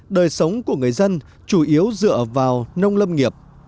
đời sống của người dân chủ yếu dựa vào nông lâm nghiệp